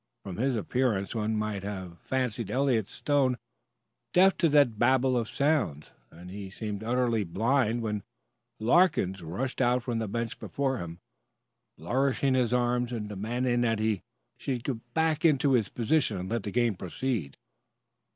From his appearance one might have fancied Eliot stone deaf to that babel of sounds, and he seemed utterly blind when Larkins rushed out from the bench before him, flourishing his arms, and demanding that he should get back into his position and let the game proceed.